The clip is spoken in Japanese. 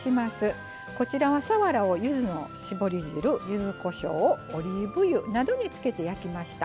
こちらはさわらをゆずの搾り汁ゆずこしょうオリーブ油などに漬けて焼きました。